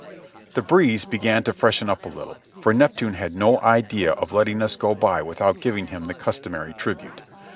The breeze began to freshen up a little, for Neptune had no idea of letting us go by without giving him the customary tribute.